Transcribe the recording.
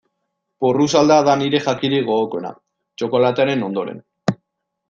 Porrusalda da nire jakirik gogokoena, txokolatearen ondoren.